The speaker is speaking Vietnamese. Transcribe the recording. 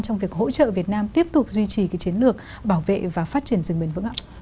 trong việc hỗ trợ việt nam tiếp tục duy trì chiến lược bảo vệ và phát triển rừng bền vững ạ